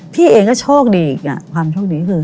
พี่เองก็โชคดีอีก